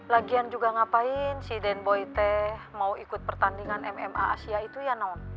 lagian juga ngapain si den boyte mau ikut pertandingan mma asia itu ya nol